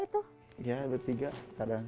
mencurahkan kasih sayang dengan cara sederhana